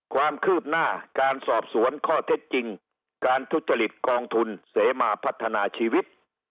ความคืบหน้าการสอบสวนข้อเท็จจริงการทุจริตกองทุนเสมาพัฒนาชีวิต